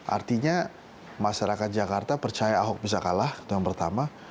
artinya masyarakat jakarta percaya ahok bisa kalah itu yang pertama